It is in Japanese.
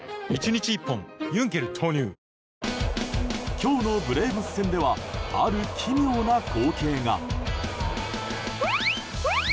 今日のブレーブス戦ではある奇妙な光景が。